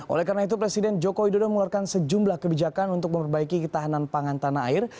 oleh karena itu presiden joko widodo mengeluarkan sejumlah kebijakan untuk memperbaiki ketahanan pangan tanah air